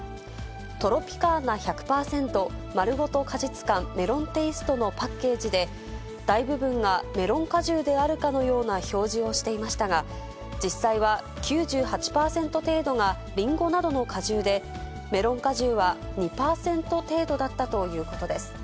トロピカーナ１００％まるごと果実感メロンテイストのパッケージで、大部分がメロン果汁であるかのような表示をしていましたが、実際は９８％程度がりんごなどの果汁で、メロン果汁は２％程度だったということです。